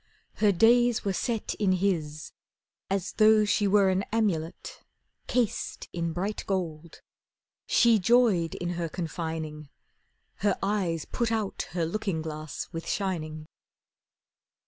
Her days were set In his as though she were an amulet Cased in bright gold. She joyed in her confining; Her eyes put out her looking glass with shining.